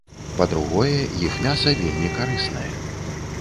Па-другое, іх мяса вельмі карыснае.